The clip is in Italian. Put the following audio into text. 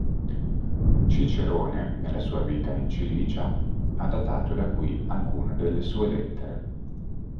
Cicerone, nella sua vita in Cilicia, ha datato da qui alcune delle sue lettere.